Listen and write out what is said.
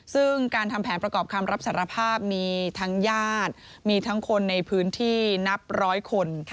ซึ่งการทำแผนประกอบคำรับสารภาพมีทั้งญาติมีทั้งคนในพื้นที่นับร้อยคน